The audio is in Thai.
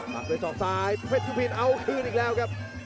หักด้วยศอกซ้ายเพชรชุพินเอาคืนอีกแล้วครับ